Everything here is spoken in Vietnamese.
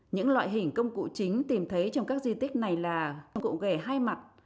những loại hình công cụ chính tìm thấy trong các di tích này là công cụ ghẻ hai mặt